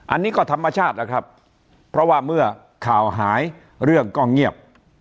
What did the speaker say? อันนี้ก็ธรรมชาติแล้วครับเพราะว่าเมื่อข่าวหายเรื่องก็เงียบ